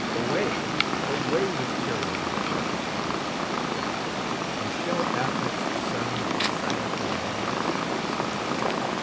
Away, away with tyranny and op pr. M iion ! Ami shall Afric's sons be silent any longer